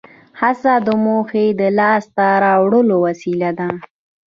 هڅه د موخې د لاس ته راوړلو وسیله ده.